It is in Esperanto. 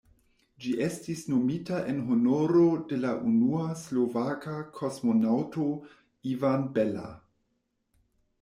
Ĝi estis nomita en honoro de la unua slovaka kosmonaŭto Ivan Bella.